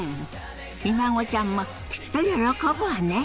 ひ孫ちゃんもきっと喜ぶわね。